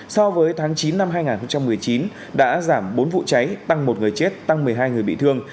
so với tháng chín năm hai nghìn một mươi chín đã giảm bốn vụ cháy tăng một người chết tăng một mươi hai người bị thương